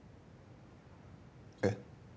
えっ？